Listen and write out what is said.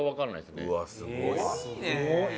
すごいね。